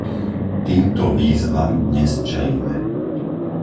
Týmto výzvam dnes čelíme.